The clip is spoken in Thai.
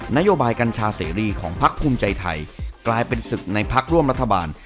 นโยบายกัญชาเสรีของพักภูมิใจไทยกลายเป็นศึกในพักร่วมรัฐบาล